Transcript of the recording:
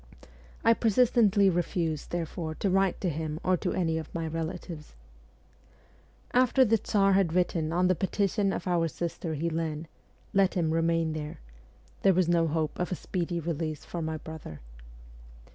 I persistently refused therefore to write to him or to any of my relatives. After the Tsar had written on the petition of our sister Helene, ' Let him remain there,' there was no hope of a speedy release for my brother.